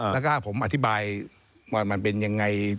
แล้วก็ผมอธิบายว่ามันเป็นยังไง